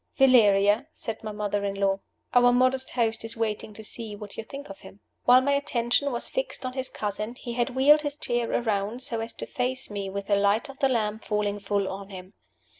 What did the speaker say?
"Valeria!" said my mother in law. "Our modest host is waiting to see what you think of him." While my attention was fixed on his cousin he had wheeled his chair around so as to face me with the light of the lamp falling full on him.